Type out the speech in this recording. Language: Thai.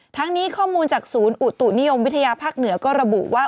ทั้งนี้ข้อมูลจากศูนย์อุตุนิยมวิทยาภาคเหนือก็ระบุว่า